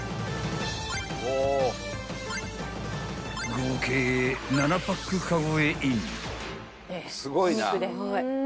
［合計７パックカゴへイン］